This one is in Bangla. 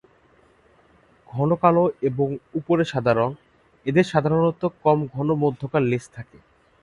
ঘন কালো এবং ওপরে সাদা রঙ, এদের সাধারণত কম ঘন মধ্যেকার লেজ থাকে।